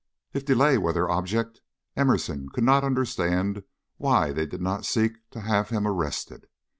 If delay were their object, Emerson could not understand why they did not seek to have him arrested.